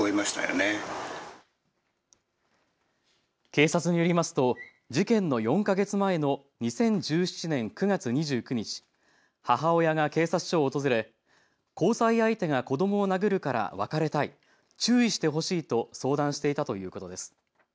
警察によりますと事件の４か月前の２０１７年９月２９日、母親が警察署を訪れ交際相手が子どもを殴るから別れたい、注意してほしいと相談していたということです。